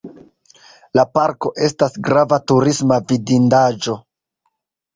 La parko estas grava turisma vidindaĵo.